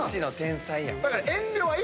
だから。